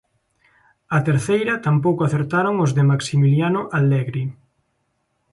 Á terceira tampouco acertaron os de Maximiliano Allegri.